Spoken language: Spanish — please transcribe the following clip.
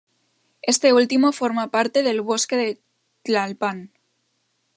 Este último forma parte del Bosque de Tlalpan.